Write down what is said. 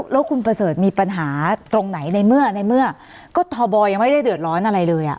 แล้วคุณประเสริฐมีปัญหาตรงไหนในเมื่อในเมื่อก็ทบยังไม่ได้เดือดร้อนอะไรเลย